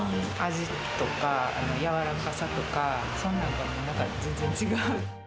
味とか柔らかさとかそんなんが全然違う。